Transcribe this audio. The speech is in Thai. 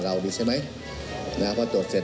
เราไม่ใช้รายงานพวกนี้